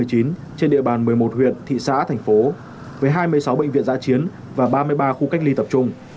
trên địa bàn một mươi một huyện thị xã thành phố với hai mươi sáu bệnh viện giã chiến và ba mươi ba khu cách ly tập trung